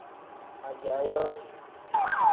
Ajaa yooti.